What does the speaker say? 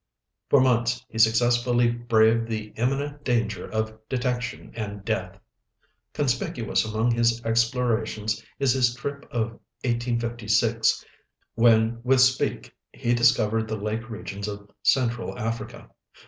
For months he successfully braved the imminent danger of detection and death. Conspicuous among his explorations is his trip of 1856, when with Speke he discovered the lake regions of Central Africa.